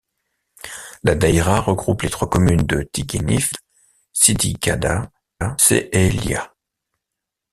La daïra regroupe les trois communes de Tighennif, Sidi Kada et Sehailia.